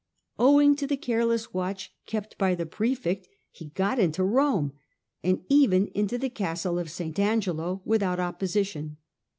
Owing to the careless watch kept by the prefect, he got into Rome, and even into the castle of St. Angelo, without opposition.